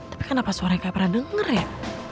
tapi kenapa suaranya kayak pernah denger ya